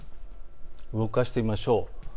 動かしてみましょう。